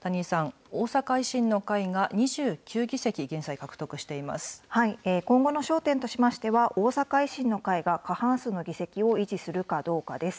谷井さん、大阪維新の会が２９議席、今後の焦点としましては、大阪維新の会が過半数の議席を維持するかどうかです。